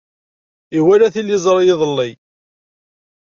Iwala tiliẓri iḍelli.